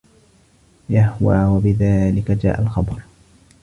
يَهْوَى ، وَبِذَلِكَ جَاءَ الْخَبَرُ